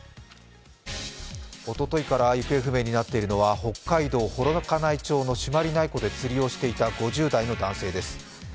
おとといから行方不明になっているのは北海道幌加内町の朱鞠内湖で釣りをしていた５０代の男性です。